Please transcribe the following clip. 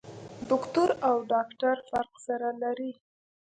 دوکتور او ډاکټر فرق سره لري.